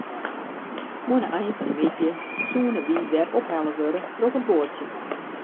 Oan 'e ein fan 'e middei soene wy wer ophelle wurde troch it boatsje.